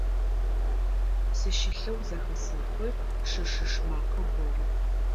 Сыщылъэу зэхэсэхы шы-шыш макъэ горэ.